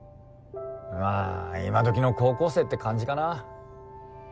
まあ今時の高校生って感じかな。